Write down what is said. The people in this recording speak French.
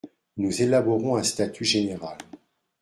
Nous élaborons un statut général.